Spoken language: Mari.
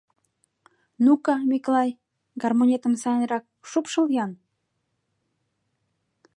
— Ну-ка, Миклай, гармонетым сайынрак шупшыл-ян.